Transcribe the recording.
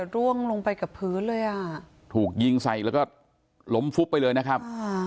ร่วงลงไปกับพื้นเลยอ่ะถูกยิงใส่แล้วก็ล้มฟุบไปเลยนะครับ